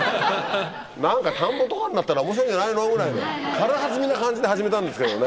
何か田んぼとかになったら面白いんじゃないの？ぐらいの軽はずみな感じで始めたんですけどね。